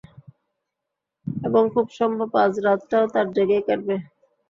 এবং খুব সম্ভব আজ রাতটাও তাঁর জেগেই কাটবে।